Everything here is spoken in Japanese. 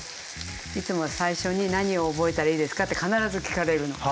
いつも最初に何を覚えたらいいですかって必ず聞かれるの。